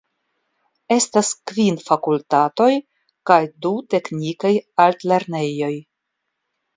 Estas kvin fakultatoj kaj du teknikaj altlernejoj.